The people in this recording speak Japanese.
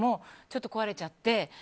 ちょっと、壊れちゃって。